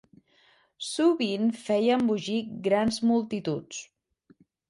Sovint feia embogir grans multituds.